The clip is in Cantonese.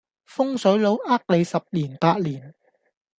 風水佬呃你十年八年